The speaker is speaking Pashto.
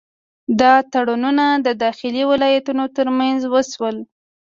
دا تړونونه د داخلي ولایتونو ترمنځ وشول.